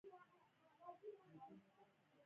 ـ د پردي زوى نه، خپله لور ښه ده.